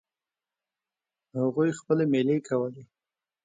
هغوی خپلې میلې کولې.